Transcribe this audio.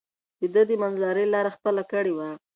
ده د منځلارۍ لار خپله کړې وه.